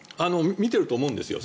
見ていると思うんですよ。